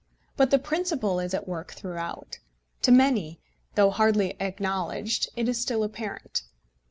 But the principle is at work throughout. To many, though hardly acknowledged, it is still apparent.